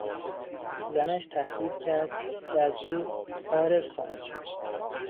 زنش تهدید کرد که از او عارض خواهد شد.